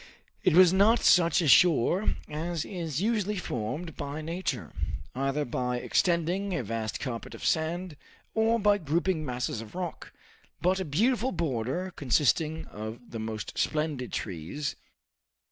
It was not such a shore as is usually formed by nature, either by extending a vast carpet of sand, or by grouping masses of rock, but a beautiful border consisting of the most splendid trees.